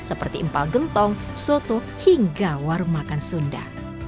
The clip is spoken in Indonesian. seperti empal gentong soto hingga warung makan sunda